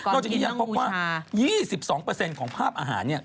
ก่อนกินต้องกูชานอกจากนี้ยังพบว่า๒๒ของภาพอาหารเนี่ย